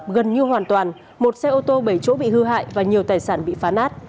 gần như hoàn toàn một xe ô tô bảy chỗ bị hư hại và nhiều tài sản bị phá nát